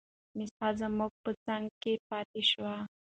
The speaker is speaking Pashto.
مسیحا زما په څنګ کې پاتي شو.